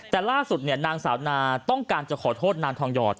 แต่ล่าสุดเนี่ยนางสาวนาต้องการจะขอโทษนางทองหยอด